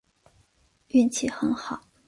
运气很好